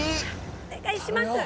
お願いします！